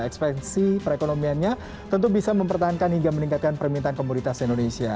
ekspansi perekonomiannya tentu bisa mempertahankan hingga meningkatkan permintaan komoditas indonesia